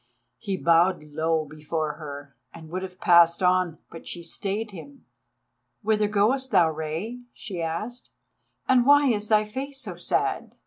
He bowed low before her and would have passed on, but she stayed him. "Whither goest thou, Rei?" she asked, "and why is thy face so sad?"